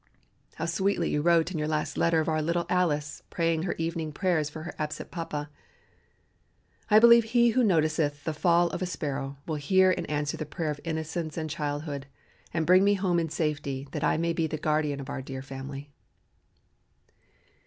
How sweetly you wrote in your last letter of our little Alice praying her evening prayer for her absent papa. I believe He who noticeth the fall of a sparrow will hear and answer the prayer of innocence and childhood, and bring me home in safety that I may be the guardian of our dear family."